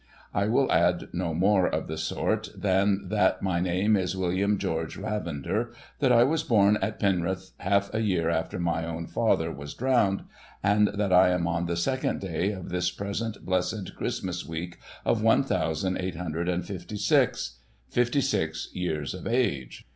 I will add no more of the sort than that my name is William George Ravender, that I Avas born at Penrith half a year after my own father was drowned, and that I am on the second day of this present blessed Christmas week of one thousand eight hundred and fifty six, fifty six years of age.